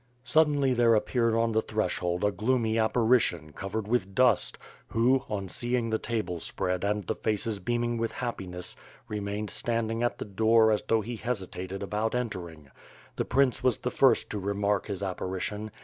Suddenly there appeared on the threshold a gloomy ap parition covered with dust, who, on seeing the table spread and t^^ faces beaming with happiness, remained standing at the door as though he hesitated about entering. The prince was the first to remark his apparition.